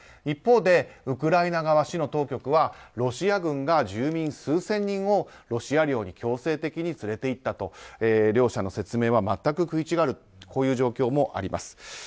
一方で、ウクライナ側市の当局はロシア軍が住民数千人をロシア領に強制的に連れて行ったと。両者の説明は全く食い違っている状況もあります。